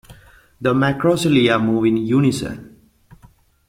The macrocilia move in unison.